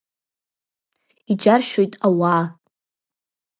Иџьаршьоит ауаа.